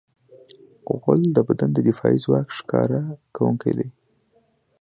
غول د بدن د دفاعي ځواک ښکاره کوونکی دی.